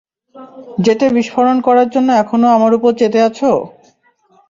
জেটে বিস্ফোরণ করার জন্য এখনো আমার ওপর চেতে আছো?